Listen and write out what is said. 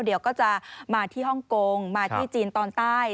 เดี๋ยวก็จะมาที่ฮ่องกงมาที่จีนตอนใต้